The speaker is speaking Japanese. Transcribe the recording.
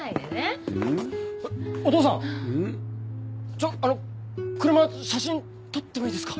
ちょっあの車写真撮ってもいいですか？